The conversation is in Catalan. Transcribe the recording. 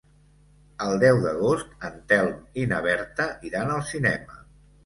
El deu d'agost en Telm i na Berta iran al cinema.